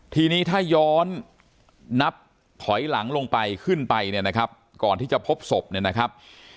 ทีนี้ถ้าย้อนนับถอยหลังลงไปขึ้นไปเนี่ยนะครับก่อนที่จะพบศพเนี่ยนะครับ